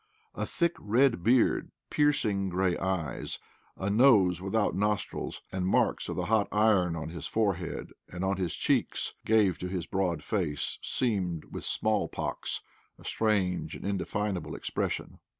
A thick red beard, piercing grey eyes, a nose without nostrils, and marks of the hot iron on his forehead and on his cheeks, gave to his broad face, seamed with small pox, a strange and indefinable expression.